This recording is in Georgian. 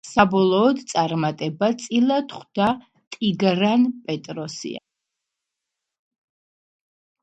საბოლოოდ წარმატება წილად ხვდა ტიგრან პეტროსიანს.